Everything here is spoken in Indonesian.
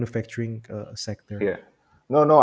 di dalam sektor pembuatan